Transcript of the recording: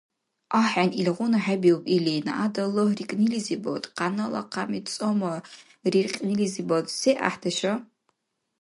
АхӀен, илгъуна хӀебиуб или, нагӀядаллагь рикӀнилизибад, къянала хъями-цӀама риркьнилизибад се гӀяхӀдеша?